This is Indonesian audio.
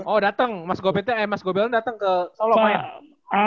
oh datang mas goebel datang ke solo kayaknya